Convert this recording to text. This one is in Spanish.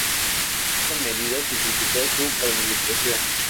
Esta medida simplificó su administración.